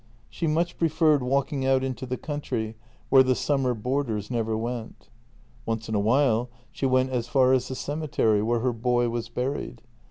She much preferred walking out into the country, where the summer boarders never went. Once in a while she went as far as the cemetery, where her boy was buried.